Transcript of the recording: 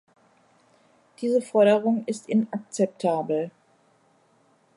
Diese Forderung ist inakzeptabel.